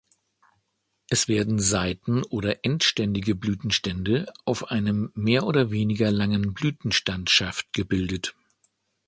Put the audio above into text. Es werden seiten- oder endständige Blütenstände auf einem mehr oder weniger langen Blütenstandsschaft gebildet.